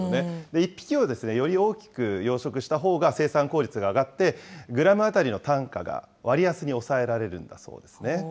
１匹をより大きく養殖したほうが生産効率が上がって、グラム当たりの単価が割安におさえられるんだそうですね。